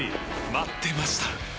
待ってました！